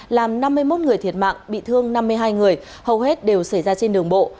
làm năm mươi một người thiệt mạng bị thương năm mươi hai người hầu hết đều xảy ra trên đường bộ